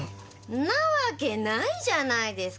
んなわけないじゃないですか！